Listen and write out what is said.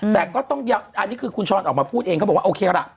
แต่ก็ต้องอันนี้คือคุณช้อนออกมาพูดเองเขาบอกว่าโอเคล่ะ